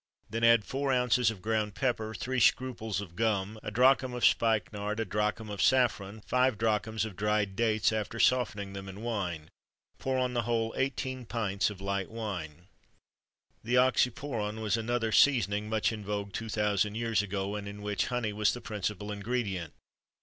Then add four ounces of ground pepper, three scruples of gum, a drachm of spikenard, a drachm of saffron, five drachms of dried dates, after softening them in wine; pour on the whole eighteen pints of light wine.[XXIII 64] The Oxyporon was another seasoning much in vogue two thousand years ago, and in which honey was the principal ingredient.